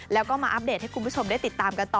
แล้วก็มาอัปเดตให้คุณผู้ชมได้ติดตามกันต่อ